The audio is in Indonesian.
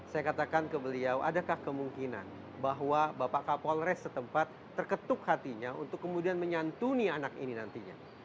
saya katakan ke beliau adakah kemungkinan bahwa bapak kapolres setempat terketuk hatinya untuk kemudian menyantuni anak ini nantinya